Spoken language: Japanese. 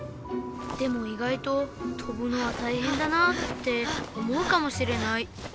でもいがいととぶのはたいへんだなって思うかもしれない。